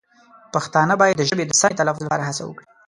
پښتانه باید د ژبې د سمې تلفظ لپاره هڅه وکړي.